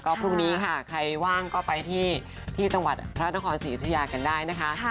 ก็พรุ่งนี้ค่ะใครว่างก็ไปที่จังหวัดพระนครศรีอุทยากันได้นะคะ